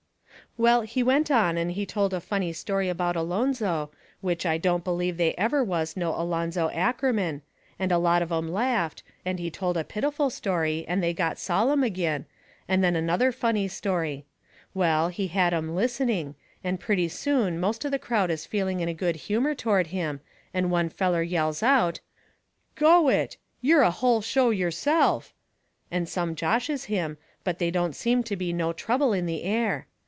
Well, he went on and he told a funny story about Alonzo, which I don't believe they ever was no Alonzo Ackerman, and a lot of 'em laughed; and he told a pitiful story, and they got sollum agin, and then another funny story. Well, he had 'em listening, and purty soon most of the crowd is feeling in a good humour toward him, and one feller yells out: "Go it you're a hull show yourself!" And some joshes him, but they don't seem to be no trouble in the air.